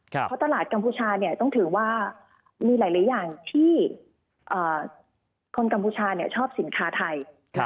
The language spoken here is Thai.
เพราะตลาดกัมพูชาต้องถือว่ามีหลายอย่างที่คนกัมพูชาชอบสินค้าไทย